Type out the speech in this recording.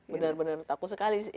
benar benar takut sekali